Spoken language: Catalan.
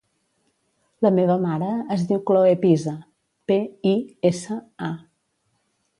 La meva mare es diu Chloe Pisa: pe, i, essa, a.